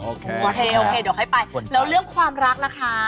โอเคโอเคเดี๋ยวค่อยไปแล้วเรื่องความรักล่ะคะ